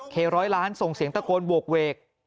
ร้อยล้านส่งเสียงตะโกนโหกเวก